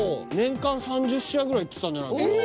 年間３０試合ぐらい行ってたんじゃないかな